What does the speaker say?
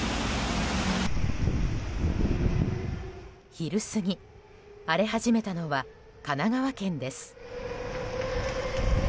昼過ぎ、荒れ始めたのは神奈川県です。